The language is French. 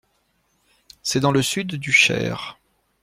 C’est dans le sud du Cher.